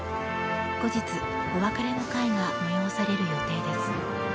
後日、お別れの会が催される予定です。